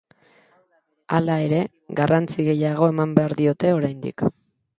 Hala ere, garrantzi gehiago eman behar diote oraindik.